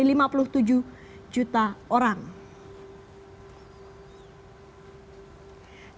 ini adalah jumlahnya dari masyarakat yang berpengalaman